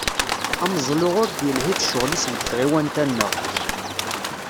Ameẓlu ur d-yelhi d ccɣel-is deg tɣiwant-a-nneɣ.